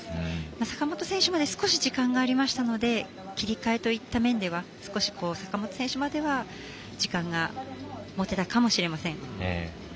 坂本選手も少し時間がありましたので切り替えといった面では少し、坂本選手までは時間が持てたかもしれません。